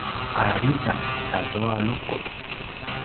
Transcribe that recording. ’arizang katua lukuc